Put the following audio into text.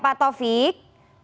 iya pak taufik